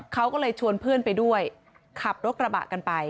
เขาก็เลยชวนเพื่อนไปด้วยขับรถกระบะกันไป